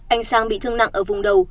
anh sang bị thương nặng ở vùng đầu